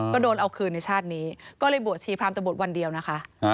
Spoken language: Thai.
ก็โดนเอาคืนในชาตินี้ก็เลยบวชชีพรามแต่บวชวันเดียวนะคะ